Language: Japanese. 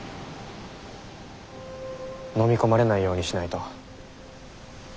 のみ込まれないようにしないと。